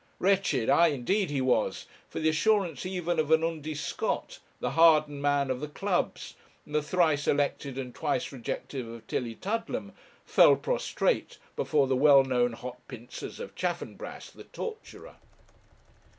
Wretched! aye, indeed he was; for the assurance even of an Undy Scott, the hardened man of the clubs, the thrice elected and twice rejected of Tillietudlem, fell prostrate before the well known hot pincers of Chaffanbrass, the torturer!